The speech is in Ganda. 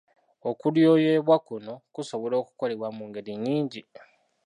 Okulyoyebwa kuno kusobola okukolebwa mu ngeri nnyingi.